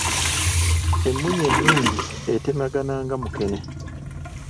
Emmunye ennungi etemagana nga mukene.